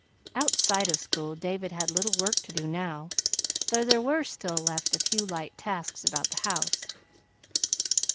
Outside of school David had little work to do now, though there were still left a few light tasks about the house.